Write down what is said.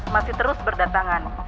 masih terus berdatangan